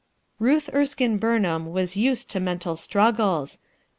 Ruth Erskine Burnhara was used to mental struggles.